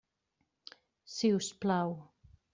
Si us plau.